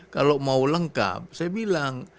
kalau mau lengkap saya bilang